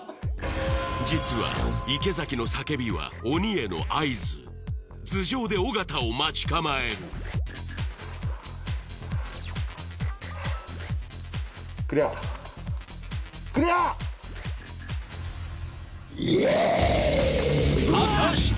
実は池崎の叫びは鬼への合図頭上で尾形を待ち構える果たして